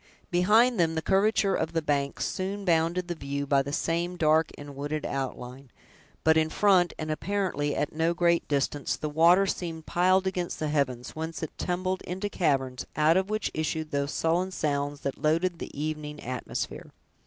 Behind them, the curvature of the banks soon bounded the view by the same dark and wooded outline; but in front, and apparently at no great distance, the water seemed piled against the heavens, whence it tumbled into caverns, out of which issued those sullen sounds that had loaded the evening atmosphere.